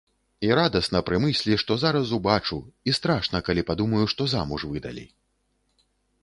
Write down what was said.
І радасна пры мыслі, што зараз убачу, і страшна, калі падумаю, што замуж выдалі.